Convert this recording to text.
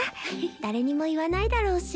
誰にも言わないだろうし。